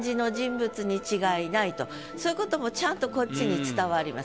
そういうこともちゃんとこっちに伝わります。